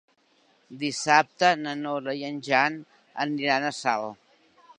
Dissabte na Nora i en Jan aniran a Salt.